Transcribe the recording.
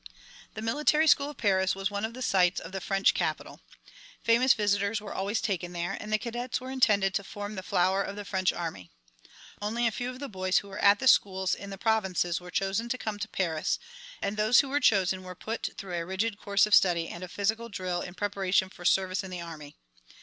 The military school of Paris was one of the sights of the French capital. Famous visitors were always taken there, and the cadets were intended to form the flower of the French army. Only a few of the boys who were at the schools in the provinces were chosen to come to Paris, and those who were chosen were put through a rigid course of study and of physical drill in preparation for service in the army.